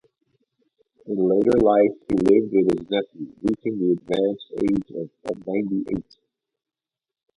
In later life, he lived with his nephew, reaching the advanced age of ninety-eight.